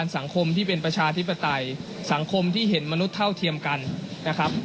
สังคมที่เป็นประชาธิปไตยสังคมที่เห็นมนุษย์เท่าเทียมกันนะครับ